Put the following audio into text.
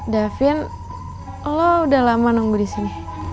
davin lo udah lama nunggu di sini